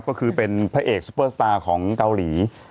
ก็คือเป็นพระเอกซุปเปอร์สตาร์ของเกาหลี